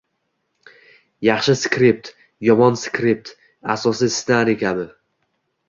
Yaxshi skript, yomon skript, asosiy ssenariy kabi